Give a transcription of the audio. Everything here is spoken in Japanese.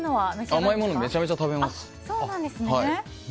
甘いものめちゃめちゃ食べます。